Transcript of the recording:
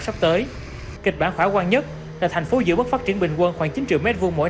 sắp tới kịch bản khả quan nhất là thành phố giữ bước phát triển bình quân khoảng chín triệu m hai mỗi